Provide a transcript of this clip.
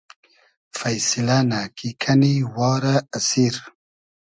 فݷسیلۂ نۂ کی کئنی وا رۂ اسیر